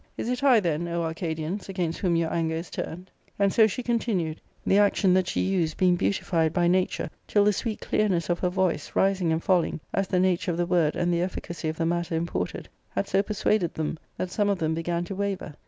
Is it I, then, O Arca . dians, against whom your anger is turned?" And so she continued, the action that she used being beautified by nature, ti^ the sweet clearness of her voice, rising and falling as the nat^e of the word and the efficacy of the matter imported, had so persuaded them that some of them began to waver.